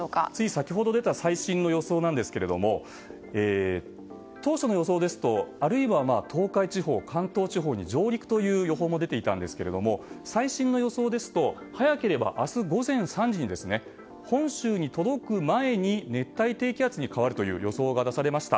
先ほど出た最新の予想ですが当初の予想ですと東海地方や関東地方に上陸という予報も出ていたんですが最新の予想ですと早ければ明日午前３時に本州に届く前に熱帯低気圧に変わるという予想が出されました。